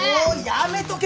やめとけ。